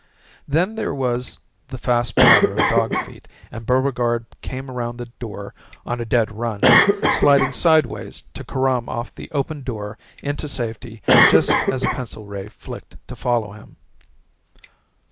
Then there was the fast patter of dog feet and Buregarde came around the door on a dead run, sliding side wise to carom off the opened door into safety just as a pencil ray flicked to follow him.